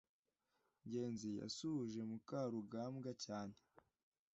ngenzi yasuhuje mukarugambwa cyane